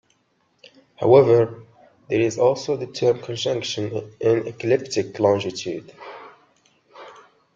However, there is also the term conjunction in ecliptic longitude.